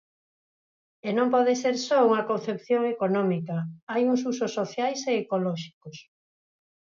E non pode ser só unha concepción económica, hai uns usos sociais e ecolóxicos.